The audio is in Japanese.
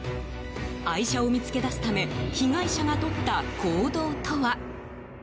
愛車を見つけ出すため被害者が取った行動とは。